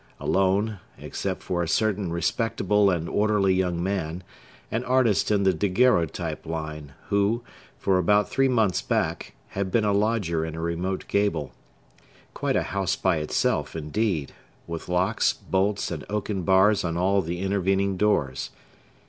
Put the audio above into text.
Alone, except for a certain respectable and orderly young man, an artist in the daguerreotype line, who, for about three months back, had been a lodger in a remote gable,—quite a house by itself, indeed,—with locks, bolts, and oaken bars on all the intervening doors.